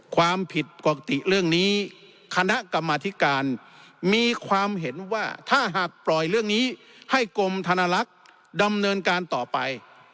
ความผิดปกติเรื่องนี้คณะกรรมธิการมีความเห็นว่าถ้าหากปล่อยเรื่องนี้ให้กรมธนลักษณ์ดำเนินการต่อไป